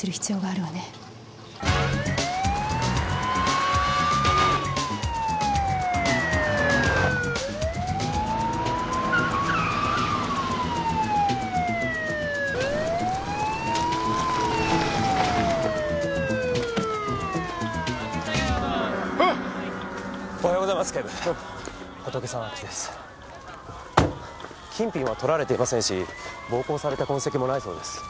金品は盗られていませんし暴行された痕跡もないそうです。